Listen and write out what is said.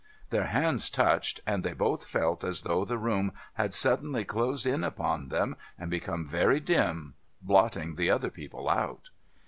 Their hands touched, and they both felt as though the room had suddenly closed in upon them and become very dim, blotting the other people out.